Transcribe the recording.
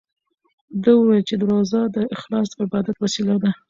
ده وویل چې روژه د اخلاص او عبادت وسیله ده.